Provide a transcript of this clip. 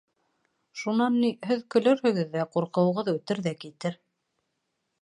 Шунан, ни, һеҙ көлөрһөгөҙ ҙә, ҡурҡыуығыҙ үтер ҙә китер.